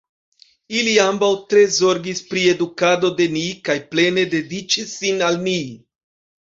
Ili ambaŭ tre zorgis pri edukado de ni kaj plene dediĉis sin al ni.